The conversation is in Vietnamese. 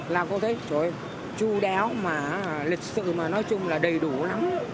là cô thấy trời ơi chú đéo mà lịch sự mà nói chung là đầy đủ lắm